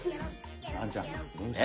まるちゃんどうした？